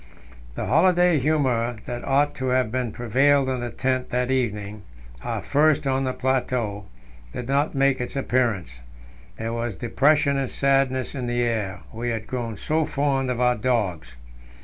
The holiday humour that ought to have prevailed in the tent that evening our first on the plateau did not make its appearance; there was depression and sadness in the air we had grown so fond of our dogs.